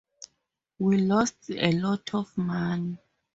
We lost a lot of money.